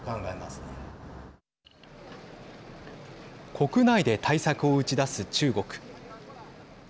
国内で対策を打ち出す中国。